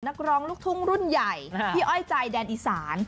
นักร้องลูกทุ่งรุ่นใหญ่พี่อ้อยใจแดนอีสาน